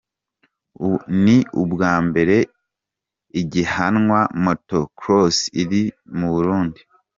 Ni ubwa mbere ihiganwa Motor cross riba mu Burundi.